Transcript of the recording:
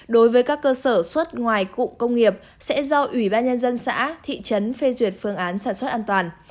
đối với các cơ sở xuất ngoài cụm công nghiệp sẽ do ủy ban nhân dân xã thị trấn phê duyệt phương án sản xuất an toàn